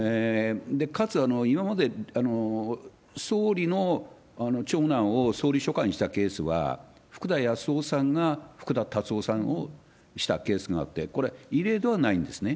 かつ、今まで総理の長男を総理秘書官にしたケースは、福田康夫さんが福田達夫さんをしたケースがあって、これ、異例ではないんですね。